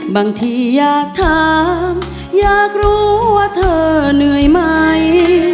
บางทีอยากถามอยากรู้ว่าเธอเหนื่อยไหม